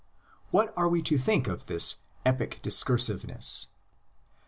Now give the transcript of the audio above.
What are we to think of this "epic discursiveness"?